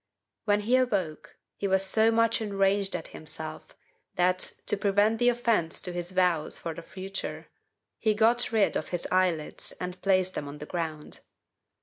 When he awoke, he was so much enraged at himself, that, to prevent the offence to his vows for the future, he got rid of his eyelids and placed them on the ground.